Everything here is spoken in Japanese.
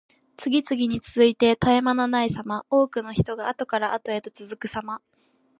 次々に続いて絶え間のないさま。多くの人があとからあとへと続くさま。